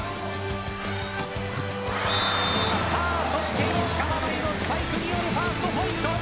そして石川真佑のスパイクによるファーストポイント。